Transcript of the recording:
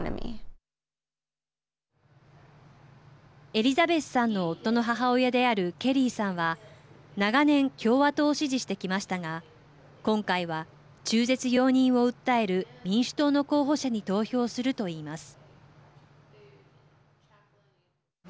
エリザベスさんの夫の母親であるケリーさんは長年共和党を支持してきましたが今回は中絶容認を訴える民主党の候補者に投票するといいます。